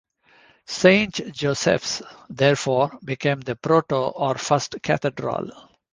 Saint Joseph's therefore became the "proto" or first cathedral.